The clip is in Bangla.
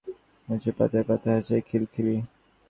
বাঁশবাগানের মাথায় মাথায়তেঁতুলগাছের পাতায় পাতায় হাসায় খিলিখিলি।